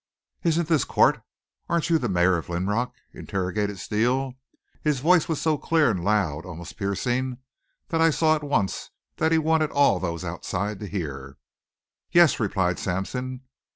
"Isn't this court? Aren't you the mayor of Linrock?" interrogated Steele. His voice was so clear and loud, almost piercing, that I saw at once that he wanted all those outside to hear. "Yes," replied Sampson.